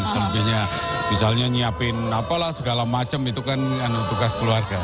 selebihnya misalnya nyiapin apalah segala macam itu kan tugas keluarga